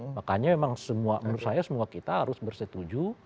makanya memang semua menurut saya semua kita harus bersetuju